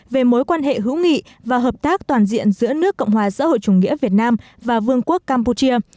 về mối quan hệ hữu nghị và hợp tác toàn diện giữa nước cộng hòa xã hội chủ nghĩa việt nam và vương quốc campuchia